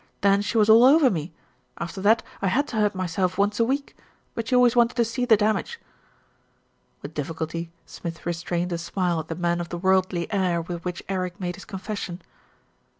Then she was all over me. After that I had to hurt myself once a week; but she always wanted to see the damage." With difficulty Smith restrained a smile at the man of the worldly air with which Eric made his confes sion.